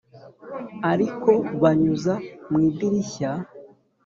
ariko banyuza mu idirishya